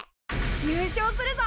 優勝するぞ！